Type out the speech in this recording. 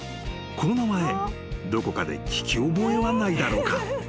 この名前どこかで聞き覚えはないだろうか？］